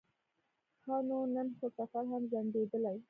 ښه نو نن خو سفر هم ځنډېدلی.